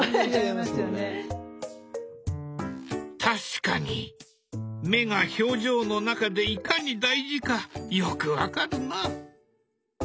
確かに目が表情の中でいかに大事かよく分かるな。